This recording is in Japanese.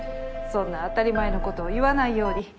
そんな当たり前のことを言わないように。